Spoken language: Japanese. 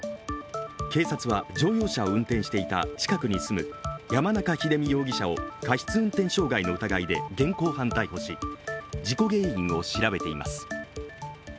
警察は、乗用車を運転していた近くに住む山中秀美容疑者を過失運転傷害の疑いで現行犯逮捕し事故原因を調べています。